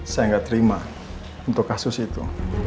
saya nggak terima untuk kasus itu